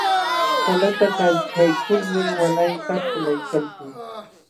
Salata kalchaykulmi walaypa ćhulaykalkan.